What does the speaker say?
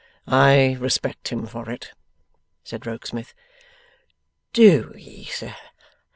'I respect him for it,' said Rokesmith. 'DO ye, sir?